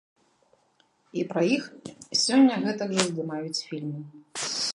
І пра іх сёння гэтак жа здымаюць фільмы.